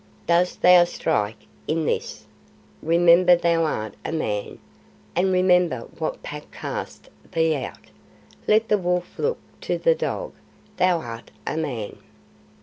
"Dost THOU strike in this? Remember thou art a Man; and remember what Pack cast thee out. Let the Wolf look to the Dog. THOU art a Man."